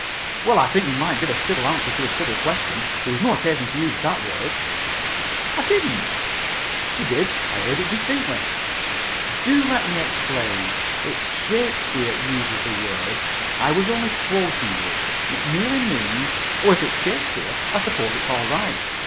"Well, I think you might give a civil answer to a civil question. There was no occasion to use that word." "I didn't." "You did. I heard it distinctly." "Do let me explain. It's Shakespeare uses the word. I was only quoting it. It merely means " "Oh, if it's Shakespeare I suppose it's all right.